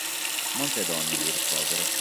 Molte donne gli risposero.